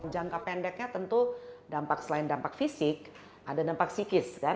jangka pendeknya tentu selain dampak fisik ada dampak psikis